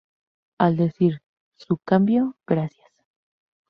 Es decir, "Su cambio, gracias".